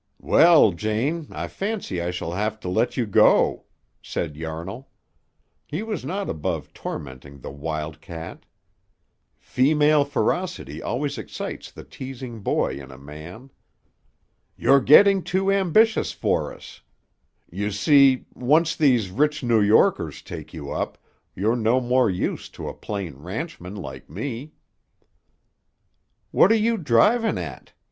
"Well, Jane, I fancy I shall have to let you go," said Yarnall. He was not above tormenting the wild cat. Female ferocity always excites the teasing boy in a man. "You're getting too ambitious for us. You see, once these rich New Yorkers take you up, you're no more use to a plain ranchman like me." "What are you drivin' at?"